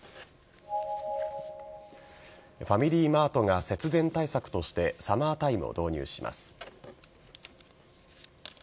ファミリーマートが節電対策としてサマータイムを導入します。